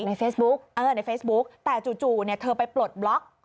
ในเฟซบุ๊กเออในเฟซบุ๊กแต่จู่เนี่ยเธอไปปลดบล็อก